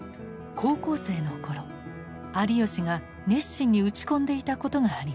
高校生の頃有吉が熱心に打ち込んでいたことがあります。